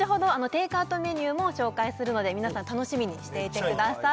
テイクアウトメニューも紹介するので皆さん楽しみにしていてください